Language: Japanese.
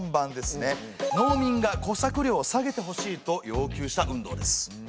農民が小作料を下げてほしいと要求した運動です。